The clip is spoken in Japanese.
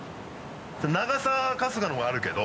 長さは春日の方があるけど。